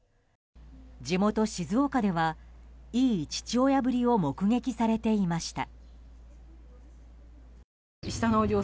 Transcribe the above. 地元・静岡では、いい父親ぶりを目撃されていました。